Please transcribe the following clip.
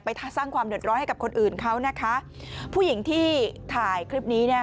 สร้างความเดือดร้อนให้กับคนอื่นเขานะคะผู้หญิงที่ถ่ายคลิปนี้เนี่ย